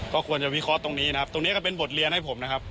ก็ควรจะวิเคราะห์ตรงนี้นะครับตรงนี้ก็เป็นบทเรียนให้ผมนะครับ